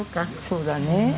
そうだね。